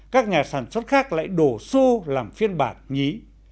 các nhà sản xuất khác lại đổ xô làm phiên bản nhí